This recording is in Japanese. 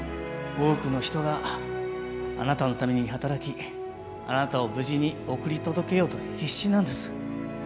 多くの人があなたのために働きあなたを無事に送り届けようと必死なんです。